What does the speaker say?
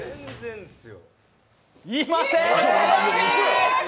いません！